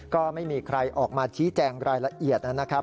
ก็ไม่มีใครออกมาชี้แจงรายละเอียดนะครับ